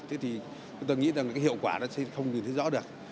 thì chúng ta nghĩ rằng cái hiệu quả đó sẽ không thể thấy rõ được